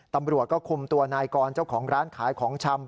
ตำรวจก็คุมตัวนายกรเจ้าของร้านขายของชำ